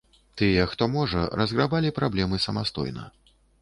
Тыя, хто можа, разграбалі праблемы самастойна.